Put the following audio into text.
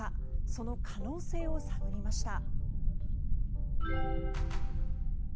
その可能性を探りました。